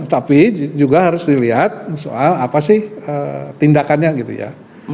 tapi juga harus dilihat soal apa sih tindakannya gitu ya